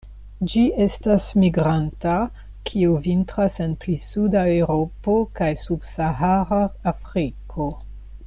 Ĝi estas migranta, kiu vintras en pli suda Eŭropo kaj sub-Sahara Afriko.